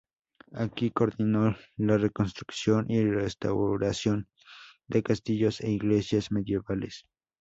Aquí coordinó la reconstrucción y restauración de castillos e iglesias medievales.